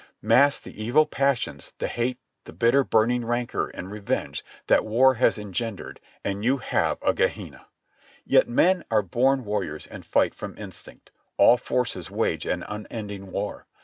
^lass the evil passions, tlie hate, the bitter, burning rancor and revenge that war has engendered, and you have a Gehenna. Yet men are born warriors and fight from instinct. All forces wage an unending war.